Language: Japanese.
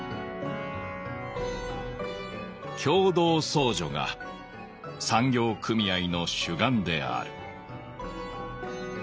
「協同相助が産業組合の主眼である」。